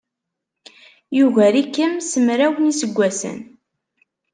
Yugar-ikem s mraw n yiseggasen.